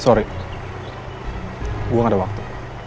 sorry gue gak ada waktu